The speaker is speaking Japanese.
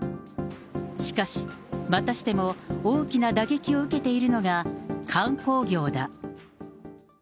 しかし、またしても大きな打撃を受けているのが、観光業だ。